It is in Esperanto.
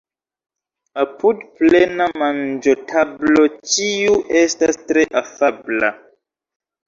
Apud plena manĝotablo ĉiu estas tre afabla.